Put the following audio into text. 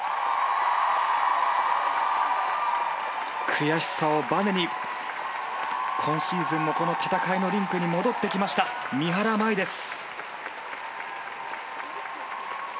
悔しさをばねに今シーズンも、この戦いにリンクに戻ってきました三原舞依です。